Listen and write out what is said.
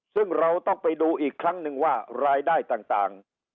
ซึ่งเราต้องไปดูอีกครั้งนึงว่ารายได้ต่าง